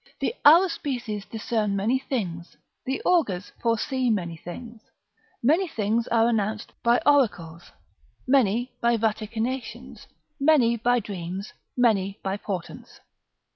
["The Aruspices discern many things, the Augurs foresee many things, many things are announced by oracles, many by vaticinations, many by dreams, many by portents."